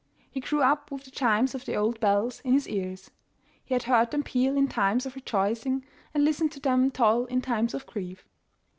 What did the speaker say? He grew up with the chimes of the old bells in his ears. He had heard them peal in times of rejoicing, and listened to them toll in times of grief.